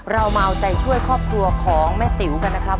เรามาเอาใจช่วยครอบครัวของแม่ติ๋วกันนะครับ